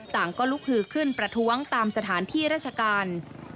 ก็ลุกหือขึ้นประท้วงตามสถานที่ราชการ